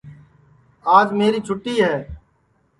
آج میری چھوٹی ہے